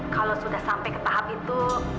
kalau sudah sampai ke tahap itu